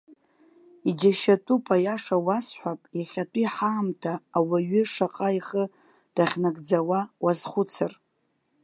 Иџьашьатәуп, аиаша уасҳәап, иахьатәи ҳаамҭа ауаҩы шаҟа ихы дахьнагӡауа уазхәыцыр.